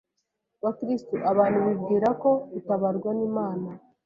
Bakristo abantu bibwirako gutabarwa n’Imana